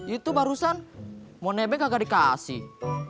itu barusan mau nebeng kagak dikasih